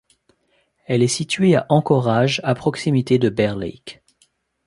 Elle est située à d'Anchorage, à proximité de Bear Lake.